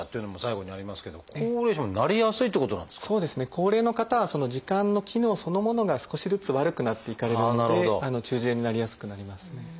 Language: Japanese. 高齢の方は耳管の機能そのものが少しずつ悪くなっていかれるので中耳炎になりやすくなりますね。